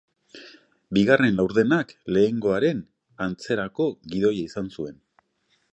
Bigarren laurdenak lehenengoaren antzerako gidoia izan zuen.